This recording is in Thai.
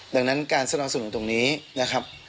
ดังนั้นการสนับสนุนตรงนี้นะครับ